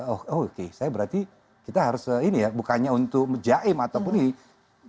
oh oke saya berarti kita harus ini ya bukannya untuk menjahim ataupun ini